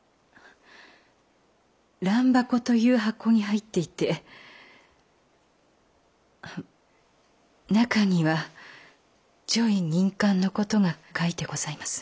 覧箱という箱に入っていて中には叙位任官の事が書いてございます。